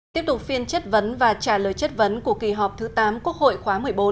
tiếp tục phiên chất vấn và trả lời chất vấn của kỳ họp thứ tám quốc hội khóa một mươi bốn